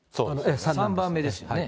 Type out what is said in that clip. ３番目ですよね。